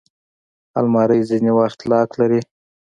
الماري ځینې وخت لاک لري